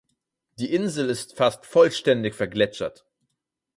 Die Insel ist fast vollständig vergletschert.